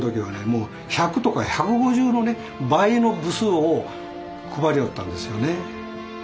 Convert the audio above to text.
もう１００とか１５０のね倍の部数を配りよったんですよね。